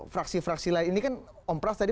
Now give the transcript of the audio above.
fraksi fraksi lain ini kan om pras tadi